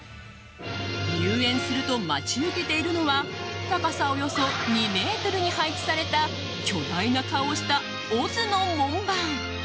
入園すると待ち受けているのは高さおよそ２ｍに配置された巨大な顔をしたオズの門番。